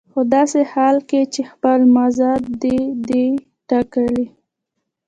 خو په داسې حال کې چې خپل مزد دې دی ټاکلی.